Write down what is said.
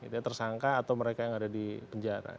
tersangka atau mereka yang ada di penjara